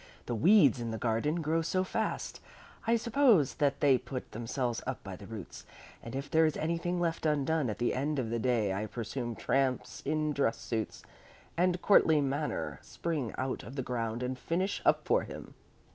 The weeds in the garden grow so fast, I suppose, that they pull themselves up by the roots; and if there is anything left undone at the end of the day I presume tramps in dress suits, and courtly in manner, spring out of the ground and finish up for him."